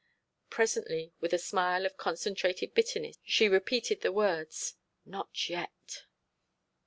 Presently with a smile of concentrated bitterness she repeated the words 'Not yet!'